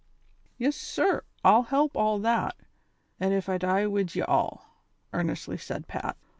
" Yis, sir; I'll hilp all that, au' ef I die wid ye all," earnestly said Pat.